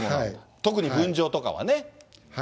特に分譲とかはね。